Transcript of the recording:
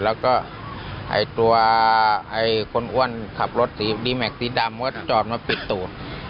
แล้วก็ไอ้ตัวคนอ้วนขับรถสีดีแม็กซีดำก็จอดมาปิดตูด